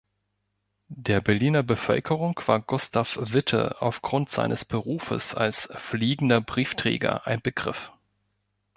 Der Berliner Bevölkerung war Gustav Witte aufgrund seines Berufes als „Fliegender Briefträger“ ein Begriff.